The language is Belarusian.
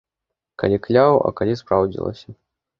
Калі кляў, а калі спраўдзілася.